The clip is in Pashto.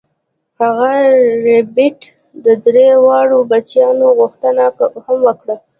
هغه د ربیټ د درې واړو بچیانو غوښتنه هم وکړه